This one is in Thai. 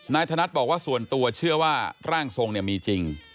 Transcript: ธนัทบอกว่าส่วนตัวเชื่อว่าร่างทรงมีจริง